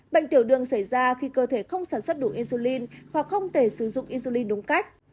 bệnh tiểu đường xảy ra khi cơ thể không sản xuất đủ ezulin hoặc không thể sử dụng isuli đúng cách